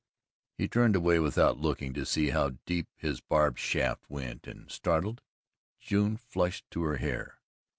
He turned away without looking to see how deep his barbed shaft went and, startled, June flushed to her hair.